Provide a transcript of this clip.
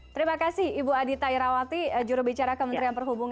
terima kasih ibu adita irawati juru bicara kementerian perhubungan